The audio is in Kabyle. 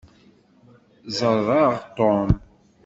Ẓeṛṛeɣ Tom.